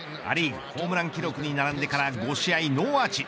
ア・リーグホームラン記録に並んでから５試合ノーアーチ。